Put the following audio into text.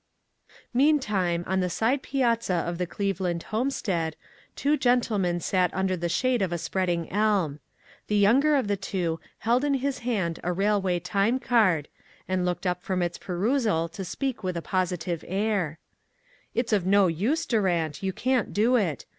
Meantime on the side piazza of the Cleve land homestead, two gentlemen sat under the shade of a spreading elm. The younger of the two held in his hand a railway time card, and looked up from its perusal to speak with a positive air : "It's of no use, Durant, you can't do it.